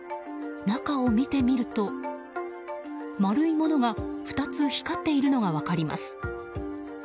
中を見てみると丸いものが２つ光っているのが分かります。